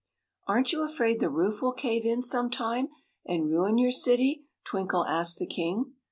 "Aren't you afraid the roof will cave in some time, and ruin your city?" Twinkle asked the king.